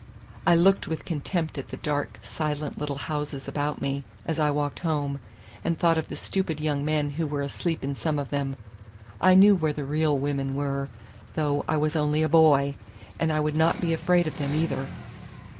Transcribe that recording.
I looked with contempt at the dark, silent little houses about me as I walked home, and thought of the stupid young men who were asleep in some of them. I knew where the real women were, though I was only a boy; and I would not be afraid of them, either!